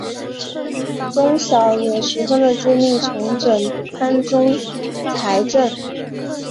宗尧也十分的尽力重整藩中财政。